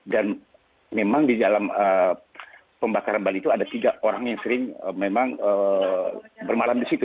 dan memang di dalam pembakaran bali itu ada tiga orang yang sering memang bermalam di situ